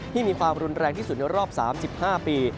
มีความรุนแรงที่สุดในรอบ๓๕ปี